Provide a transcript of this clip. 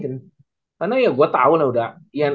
karena ya gue tau lah udah